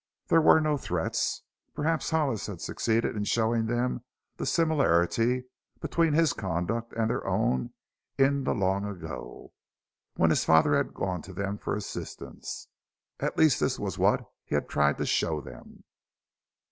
There were no threats; perhaps Hollis had succeeded in showing them the similarity between his conduct and their own in the long ago, when his father had gone to them for assistance. At least this was what he had tried to show them.